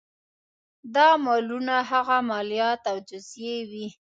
دا مالونه هغه مالیات او جزیې وې.